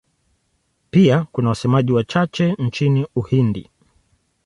Pia kuna wasemaji wachache nchini Uhindi.